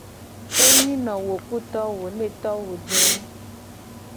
Enyi no wo ku to wo ne to wo de a.